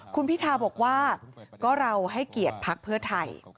คุณพิทาบอกว่าก็เราให้เกียรติภักดิ์เพื่อไทย